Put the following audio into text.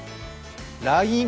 ＬＩＮＥ